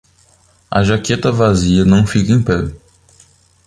A jaqueta vazia não fica em pé.